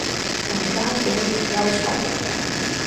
大家果然有才